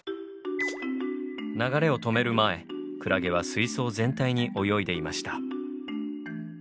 流れを止める前クラゲは水槽全体に泳いでいました。